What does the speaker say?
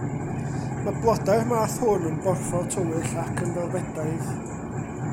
Mae blodau'r math hwn yn borffor tywyll ac yn felfedaidd.